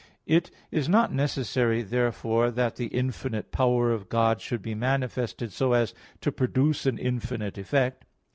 It is not necessary, therefore, that the infinite power of God should be manifested so as to produce an infinite effect.